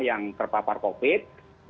yang terpapar covid